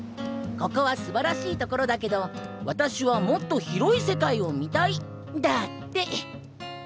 「ここはすばらしいところだけど私はもっと広い世界を見たい」だって。